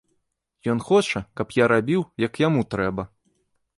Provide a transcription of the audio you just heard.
Ён хоча, каб я рабіў, як яму трэба.